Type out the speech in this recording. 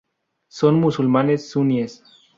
Son musulmanes suníes.